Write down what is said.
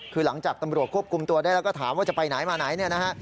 คือหลังจากตำรวจควบคุมตัวได้แล้วก็ถามว่าจะไปไหนมาไหนเนี่ยนะฮะ